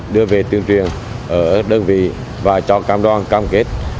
đưa về tuyên truyền ở đơn vị và cho cam đoàn cam kết